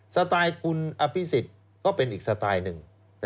สไตล์คุณอภิษฎก็เป็นอีกสไตล์หนึ่ง